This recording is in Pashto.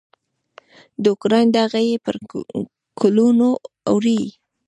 د اوکراین دغه یې پر کلونو اوړي.